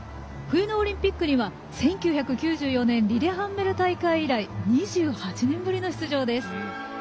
冬のオリンピックには１９９４年のリレハンメル大会２８年ぶりの出場です。